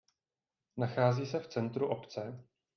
Nachází se v centru obce.